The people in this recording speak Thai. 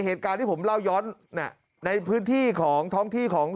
เหตุการณ์ที่ผมเล่าย้อนในพื้นที่ของท้องที่ของ